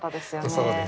そうですね。